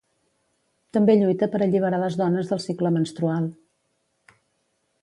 També lluita per alliberar les dones del cicle menstrual.